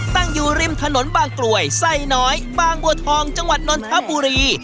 ตั้งอยู่ริมถนนบางกลวยไส้น้อยบางบัวทองจังหวัดนนทบุรี